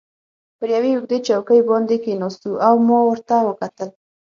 پر یوې اوږدې چوکۍ باندې کښېناستو او ما ورته وکتل.